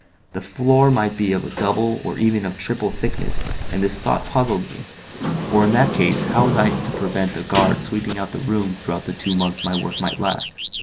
The floor might be of double or even of triple thickness, and this thought puzzled me; for in that case how was I to prevent the guard sweeping out the room throughout the two months my work might last.